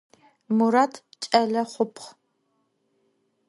Murat ç'ele xhupxh.